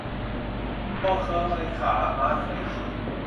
วัวเคยขา ม้าเคยขี่